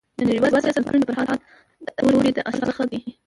د نړيوال سیاست بنسټونه د فرهاد داوري د اثارو څخه دی.